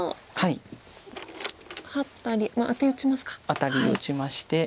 アタリ打ちまして。